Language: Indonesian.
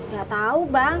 gak tau bang